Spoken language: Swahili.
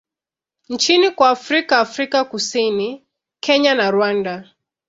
nchini kwa Afrika Afrika Kusini, Kenya na Rwanda.